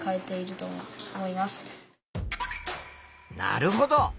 なるほど。